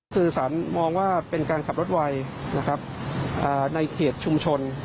คือสารมองว่าเป็นการขับรถไวนะครับในเขตชุมชน